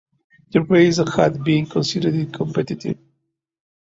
The race had been considered competitive.